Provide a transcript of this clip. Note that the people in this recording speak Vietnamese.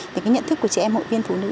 thì cái nhận thức của chị em hội viên phụ nữ